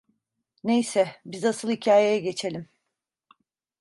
Neyse, biz asıl hikayeye geçelim.